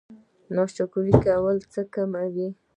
ناشکري کول څه کموي؟